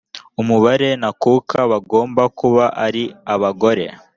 umubare ntakuka bagomba kuba ari abagore